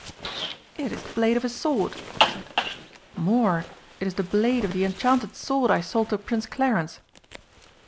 "It is the blade of a sword!" he said. "More it is the blade of the enchanted sword I sold to Prince Clarence."